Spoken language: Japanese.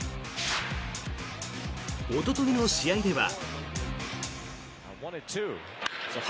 おとといの試合では。